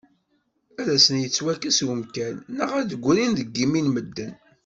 Ad asen-yettwakkes umkan neɣ ad d-ggrin deg yimi n medden.